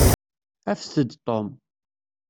Afet-d Tom.